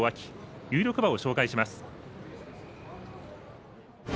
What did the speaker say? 有力馬を紹介します。